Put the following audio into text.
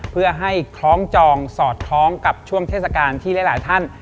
เพื่อให้คล้องจองสอดคล้องกับช่วงเทศกาลที่หลายท่าน